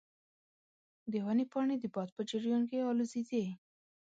د ونې پاڼې د باد په جریان کې الوزیدې.